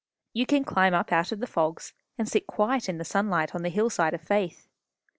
You can climb up out of the fogs, and sit quiet in the sunlight on the hillside of faith.